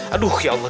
aduh ya allah